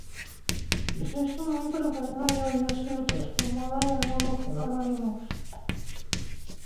Desde ese momento la cadena ya había sido transformada en el nuevo canal Animax.